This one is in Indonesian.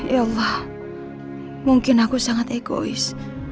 ya wah mungkin aku sangat egois